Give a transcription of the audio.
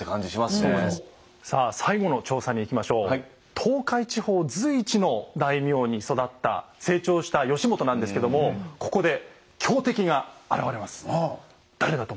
東海地方随一の大名に育った成長した義元なんですけどもここで強敵が現れます。